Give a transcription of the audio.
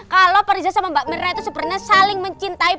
kalo pak riza sama mbak mirna itu sebenernya saling mencintai